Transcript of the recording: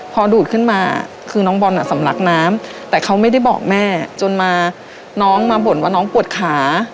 พอดูดขึ้นมาคือน้องบอลน่ะสำลักน้ำแต่เขาไม่ได้บอกแม่จนมาน้องมาบ่นว่าน้องปวดขา